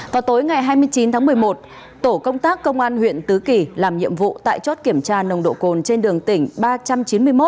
vào tối ngày hai mươi chín tháng một mươi một tổ công tác công an huyện tứ kỳ làm nhiệm vụ tại chốt kiểm tra nồng độ cồn trên đường tỉnh ba trăm chín mươi một